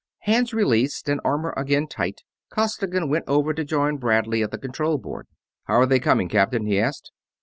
Hands released and armor again tight, Costigan went over to join Bradley at the control board. "How are they coming, Captain?" he asked.